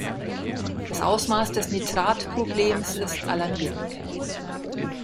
Das Ausmaß des Nitratproblems ist alarmierend.